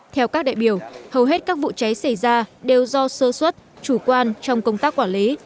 theo các đại biểu hầu hết các vụ cháy xảy ra đều do sơ xuất chủ quan trong công tác quản lý